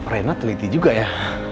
renat teliti juga ya